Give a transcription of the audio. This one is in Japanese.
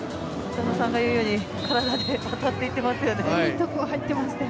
佐野さんが言うように体で当たっていますね。